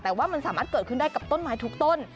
แต่ว่ามันสามารถเกิดขึ้นได้กับต้นไม้ทุกต้น